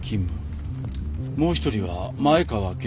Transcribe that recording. もう一人は「前川健司」